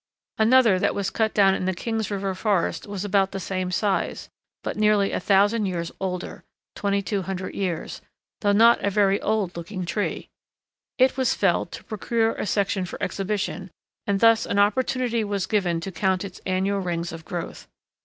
Another that was cut down in the King's River forest was about the same size, but nearly a thousand years older (2200 years), though not a very old looking tree. It was felled to procure a section for exhibition, and thus an opportunity was given to count its annual rings of growth.